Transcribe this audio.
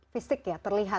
fisik ya terlihat